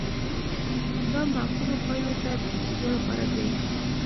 دا معقولو پایلو ته د رسیدو لپاره دی.